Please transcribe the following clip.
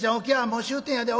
もう終点やで。